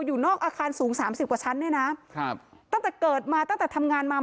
อยู่นอกอาคารสูงสามสิบกว่าชั้นเนี่ยนะครับตั้งแต่เกิดมาตั้งแต่ทำงานมา